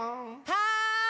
はい！